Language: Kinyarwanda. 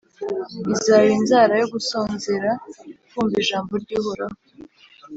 izaba inzara yo gusonzera kumva ijambo ry’uhoraho.